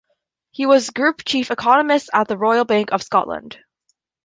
He was Group Chief Economist at the Royal Bank of Scotland.